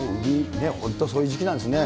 本当、そういう時期なんですね。